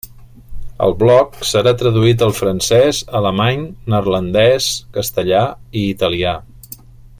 El blog serà traduït al francès, alemany, neerlandès, castellà i italià.